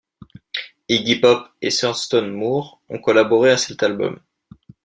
Iggy Pop et Thurston Moore ont collaboré à cet album.